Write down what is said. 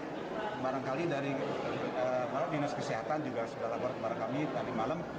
ini barangkali dari para binas kesehatan juga sudah lapor kepada kami tadi malam